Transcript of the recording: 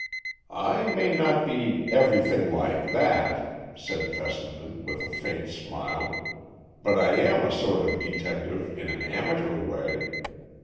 "I may not be 'everything like that,'" said Fessenden, with a faint smile, "but I am a sort of detective in an amateur way.